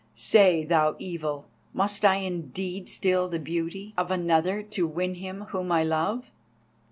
Say, thou Evil, must I indeed steal the beauty of another to win him whom I love?"